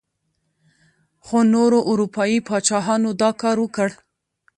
خو نورو اروپايي پاچاهانو دا کار وکړ.